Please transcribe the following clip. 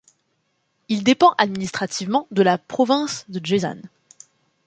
Il dépend administrativement de la province de Jizan.